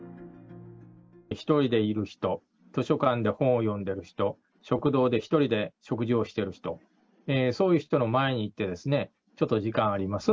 １人でいる人、図書館で本を読んでる人、食堂で１人で食事をしている人、そういう人の前に行って、ちょっとお時間あります？